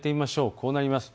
こうなります。